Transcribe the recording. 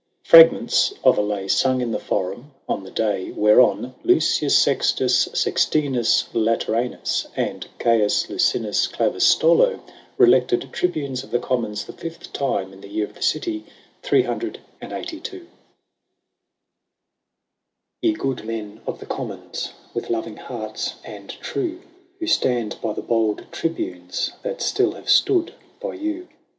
FRAGMENTS OF A LAY SUNG IN THE FORUM ON THE DAY WHEREON LUCIUS SEXTIUS SEXTINUS LATERANUS AND CAIUS LICINIUS CALVUS STOLO WERE ELECTED TRIBUNES OF THE COMMONS THE FIFTH TIME, IN THE YEAR OF THE CITY CCCLXXXII. Ye good men of the Commons, with loving hearts and true. Who stand by the bold Tribunes that still have stood by you.